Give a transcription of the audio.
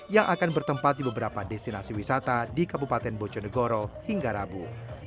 yang akan bertempat di beberapa destinasi wisata di kabupaten bojonegoro hingga rabu